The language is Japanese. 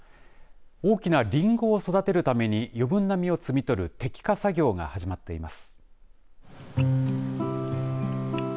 大きなりんごを育てるために余分な実を摘み取る摘果作業が始まっています。